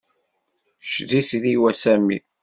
Kečč d itri-w, a Sami.